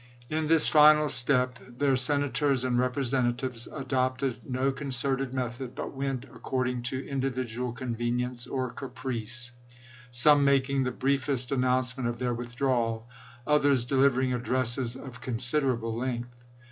In this final step their Senators and Representatives adopted no concerted method, but went according to individual convenience or caprice; some mak ing the briefest announcement of their withdrawal, others delivering addresses of considerable length.